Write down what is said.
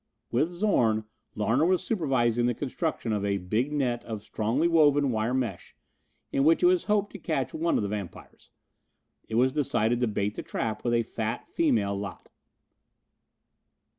With Zorn, Larner was supervising the construction of a big net of strongly woven wire mesh, in which it was hoped to catch one of the vampires. It was decided to bait the trap with a fat female lat.